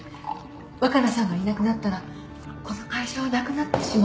若菜さんがいなくなったらこの会社はなくなってしまう